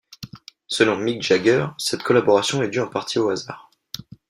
Selon Mick Jagger, cette collaboration est due en partie au hasard.